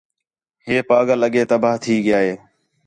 ہِے پاڳل اڳّے تباہ تھی ڳِیا ہِے